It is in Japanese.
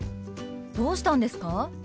どうしたんですか？